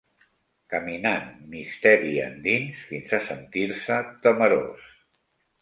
Caminant misteri endins, fins a sentir-se temerós